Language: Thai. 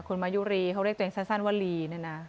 คุณมายุรีเขาเรียกตัวเองสั้นว่าลีเนี่ยนะ